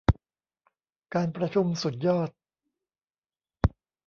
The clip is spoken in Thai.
การประชุมสุดยอด